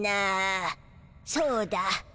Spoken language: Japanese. そうだ。